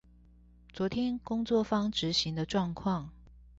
昨天工作坊執行的狀況